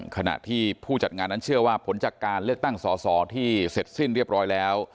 ขณะที่ผู้จัดงานนั้นเชื่อว่าผลจากการเลือกตั้งสอสอที่เสร็จสิ้นเรียบร้อยแล้ว